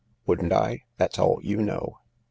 " Wouldn't I ? That's all you know !